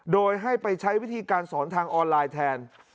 โดยให้ไปใช้วิธีการสอนทางออนไลน์แทน